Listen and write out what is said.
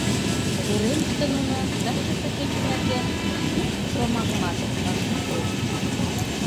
Уремыште нуно тачысе кече нерген ик шомакымат ышт лук.